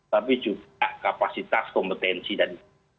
tapi juga kapasitas kompetensi dan